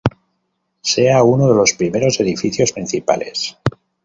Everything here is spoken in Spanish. Sea uno de los primeros edificios principales.